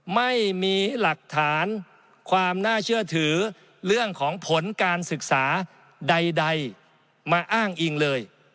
ไม่มีหลักฐานความน่าเชื่อถือเรื่องของผลการศึกษาใดมาอ้างอิงเลย